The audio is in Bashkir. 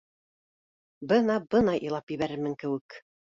— Бына-бына илап ебәрермен кеүек